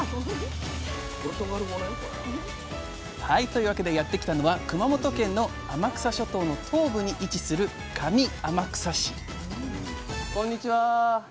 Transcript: はいというわけでやって来たのは熊本県の天草諸島の東部に位置する上天草市こんにちは。